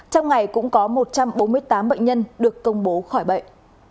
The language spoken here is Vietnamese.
trong ngày cũng có một trăm bốn mươi tám bệnh nhân được công bố khỏi bệnh